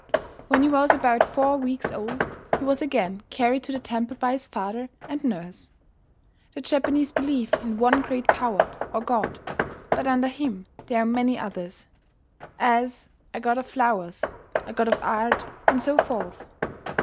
When he was about four weeks old he was again carried to the temple by his father and nurse. The Japanese believe in one great power, or god, but under him there are many others; as, a god of flowers, a god of art, and so forth.